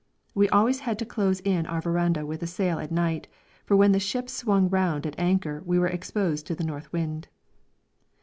We always had to close in our verandah with a sail at night, for when the ship swung round at anchor we were exposed to the north wind.